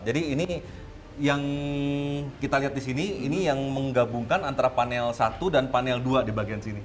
jadi ini yang kita lihat di sini ini yang menggabungkan antara panel satu dan panel dua di bagian sini